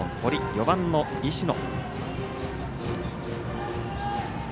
４番の石野。